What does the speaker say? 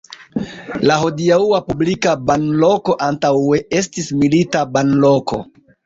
La hodiaŭa publika banloko antaŭe estis milita banloko.